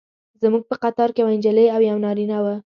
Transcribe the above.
زموږ په قطار کې یوه نجلۍ او یو نارینه و.